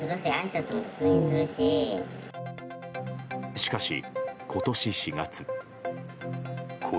しかし今年４月。